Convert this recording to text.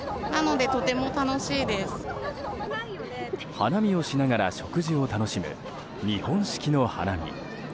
花見をしながら食事を楽しむ日本式の花見。